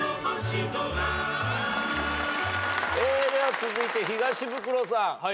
では続いて東ブクロさん。